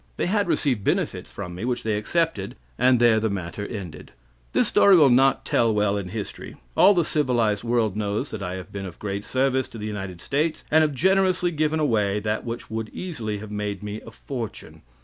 They had received benefits from me which they accepted, and there the matter ended. This story will not tell well in history. All the civilized world knows I have been of great service to the United States, and have generously given away that which would easily have made me a fortune.